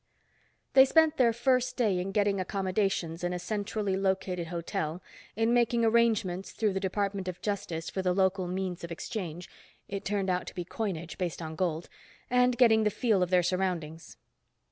They spent their first day in getting accommodations in a centrally located hotel, in making arrangements, through the Department of Justice, for the local means of exchange—it turned out to be coinage, based on gold—and getting the feel of their surroundings.